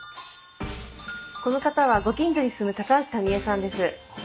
この方はご近所に住む橋タミ江さんです。